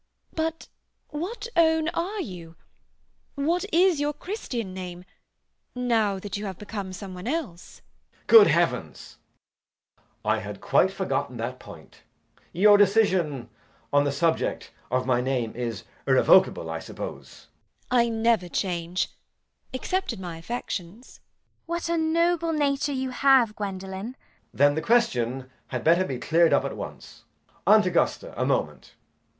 But what own are you? What is your Christian name, now that you have become some one else? JACK. Good heavens! ... I had quite forgotten that point. Your decision on the subject of my name is irrevocable, I suppose? GWENDOLEN. I never change, except in my affections. CECILY. What a noble nature you have, Gwendolen! JACK. Then the question had better be cleared up at once. Aunt Augusta, a moment.